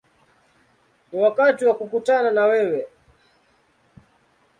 Ni wakati wa kukutana na wewe”.